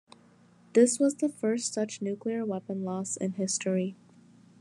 This was the first such nuclear weapon loss in history.